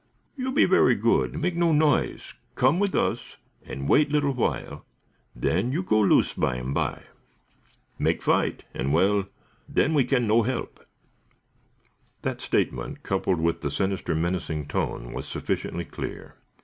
"You be verra good, no make noise, come with us and wait little while, then you go loose bimeby. Make fight, and well then we no can help!" That statement, coupled with the sinister, menacing tone, was sufficiently clear.